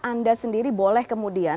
anda sendiri boleh kemudian